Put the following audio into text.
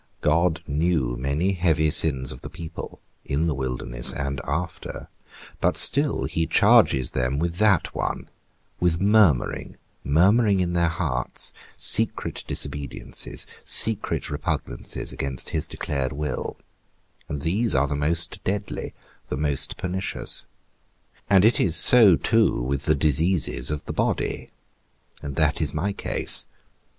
God knew many heavy sins of the people, in the wilderness and after, but still he charges them with that one, with murmuring, murmuring in their hearts, secret disobediences, secret repugnances against his declared will; and these are the most deadly, the most pernicious. And it is so too with the diseases of the body; and that is my case.